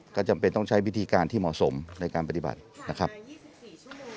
ก็จำเป็นต้องใช้วิธีการที่เหมาะสมในการปฏิบัตินะครับผ่านมายี่สิบสี่ชั่วโมงแล้วค่ะ